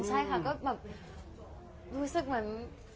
ใช่ค่ะก็แบบรู้สึกเหมือน